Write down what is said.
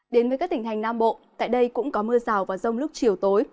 đến với các tỉnh thành nam bộ tại đây cũng có mưa rào và rông lúc chiều tối